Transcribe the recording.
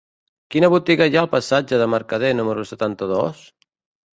Quina botiga hi ha al passatge de Mercader número setanta-dos?